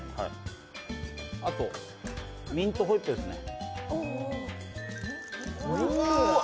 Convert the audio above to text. あと、ミントホイップですね。